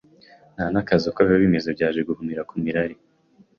nta n’akazi uko biba bimeze byaje guhumira ku mirari